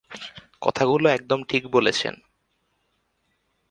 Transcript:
কথাগুলো একদম ঠিক বলেছেন।